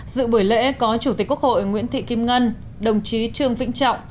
dự buổi lễ có chủ tịch quốc hội nguyễn thị kim ngân đồng chí trương vĩnh trọng